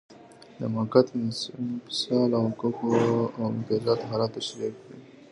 د موقت انفصال او حقوقو او امتیازاتو حالت تشریح کړئ.